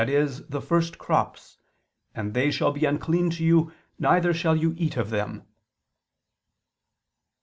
e. the first crops, and they "shall be unclean to you, neither shall you eat of them."